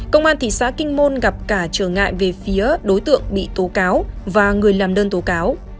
công an thị xã kinh môn gặp cả trở ngại về phía đối tượng bị tố cáo và người làm đơn tố cáo